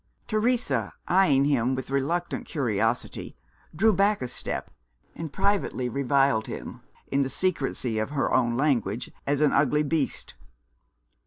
Teresa, eyeing him with reluctant curiosity, drew back a step, and privately reviled him (in the secrecy of her own language) as an ugly beast!